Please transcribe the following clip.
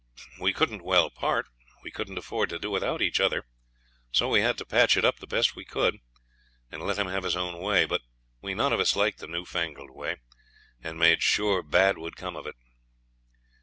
We couldn't well part. We couldn't afford to do without each other. So we had to patch it up the best way we could, and let him have his own way. But we none of us liked the new fangled way, and made sure bad would come of it.